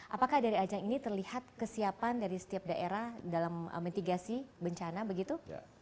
apakah dari ajang ini terlihat kesiapan dari setiap daerah dalam mitigasi bencana begitu